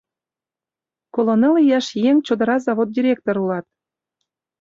Коло ныл ияш еҥ чодыра завод директор улат.